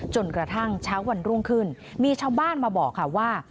จนกระทั่งเช้าวันรุ่งขึ้นมีชาวบ้านมาบอกค่ะว่า